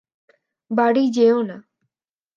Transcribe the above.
বাড়ি যেও না।